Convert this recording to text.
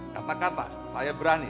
kata kata saya berani